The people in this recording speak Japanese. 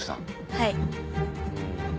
はい。